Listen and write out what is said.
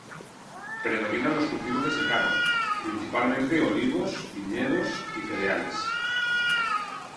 Predominan los cultivos de secano, principalmente olivos, viñedos y cereales.